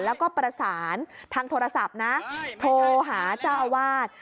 แล้วก็ประสานทางโทรศัพท์นะโทรหาเจ้าอาวาส